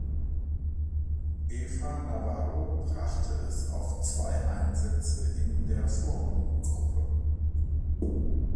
Eva Navarro brachte es auf zwei Einsätze in der Vorrundengruppe.